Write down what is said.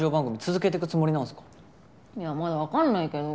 いやまだわかんないけど。